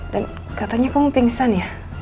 dan katanya kamu pingsan ya